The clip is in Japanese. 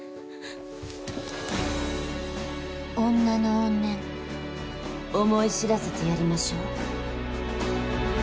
女の怨念思い知らせてやりましょう。